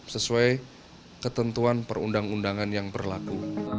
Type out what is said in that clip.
sesuai ketentuan perundang undangan yang berlaku